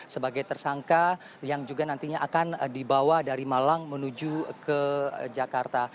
sebagai tersangka yang juga nantinya akan dibawa dari malang menuju ke jakarta